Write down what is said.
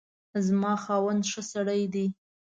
زما خاوند ښه سړی دی